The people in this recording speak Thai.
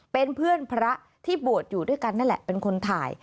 เป็นเพื่อนพระที่บวชอยู่ด้วยกันนั่นแหละเป็นคนถ่าย